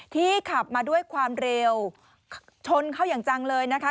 ขับมาด้วยความเร็วชนเข้าอย่างจังเลยนะคะ